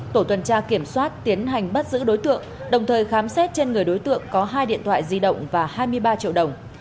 tổ tuần tra kiểm soát tiến hành bắt giữ đối tượng đồng thời khám xét trên người đối tượng có hai điện thoại di động và hai mươi ba triệu đồng